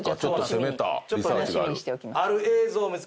攻めたリサーチがある。